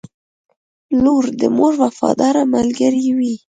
• لور د مور وفاداره ملګرې وي.